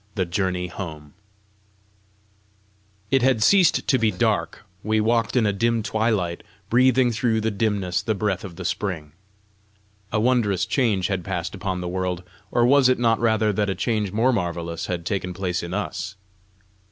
THE JOURNEY HOME It had ceased to be dark; we walked in a dim twilight, breathing through the dimness the breath of the spring. A wondrous change had passed upon the world or was it not rather that a change more marvellous had taken place in us?